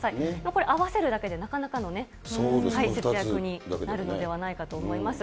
これ、合わせるだけで、なかなかの節約になるのではないかと思います。